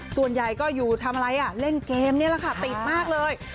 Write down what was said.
ส่วนใหญ่ก็อยู่ทำอะไรเล่นเกมนี่แหละค่ะติดมากเลย